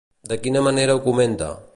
De quina manera ho comenta?